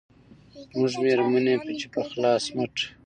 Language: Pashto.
زموږ مېرمنې چې په خلاص مټ